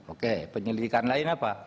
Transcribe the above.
oke penyelidikan lain apa